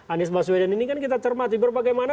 anies baswedan ini kan kita cermati berbagai mana